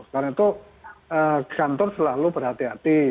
karena itu kantor selalu berhati hati